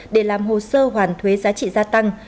để làm hồ sơ hoàn thuế giá trị gia tăng